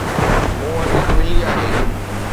مون وٽ هڪ ٻلي آهي